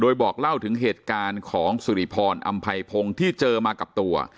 โดยบอกเล่าถึงเหตุการณ์ของสุริพรอำไพพงศ์ที่เจอมากับตัว